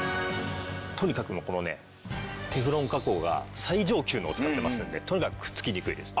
とにかくこのねテフロン加工が最上級のを使ってますんでとにかくくっつきにくいです。